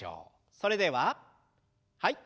それでははい。